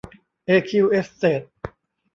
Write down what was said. เอคิว เอสเตท